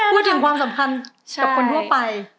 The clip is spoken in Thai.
พูดถึงความสัมพันธ์กับคนทั่วไป